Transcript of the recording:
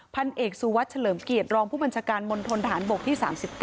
พันธุ์เอกสุวัสดิ์เฉลิมกิจรองผู้บัญชาการมณฑนฐานบกที่๓๙